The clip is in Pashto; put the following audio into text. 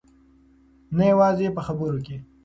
نه یوازې په خبرو کې.